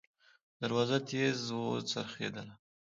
دروازه تېزه وڅرخېدله.